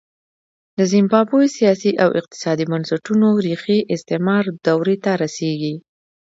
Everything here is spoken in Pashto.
د زیمبابوې سیاسي او اقتصادي بنسټونو ریښې استعمار دورې ته رسېږي.